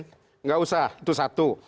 tidak usah itu satu